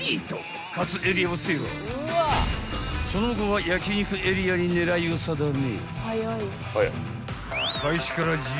［その後は焼き肉エリアに狙いを定め］